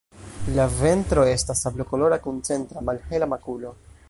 La ventro estas sablokolora kun centra malhela makulo.